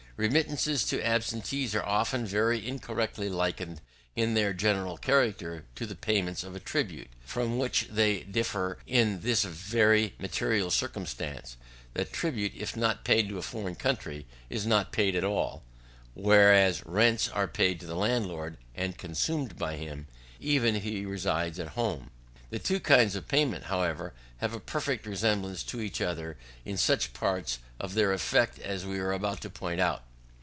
Remittances to absentees are often very incorrectly likened in their general character to the payment of a tribute; from which they differ in this very material circumstance, that tribute, if not paid to a foreign country, is not paid at all, whereas rents are paid to the landlord, and consumed by him, even if he resides at home. The two kinds of payment, however, have a perfect resemblance to each other in such parts of their effects as we are about to point out.